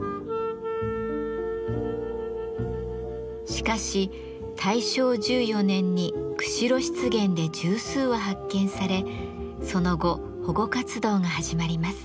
しかし大正１４年に釧路湿原で十数羽発見されその後保護活動が始まります。